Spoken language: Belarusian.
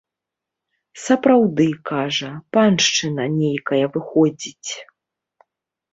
Сапраўды, кажа, паншчына нейкая выходзіць.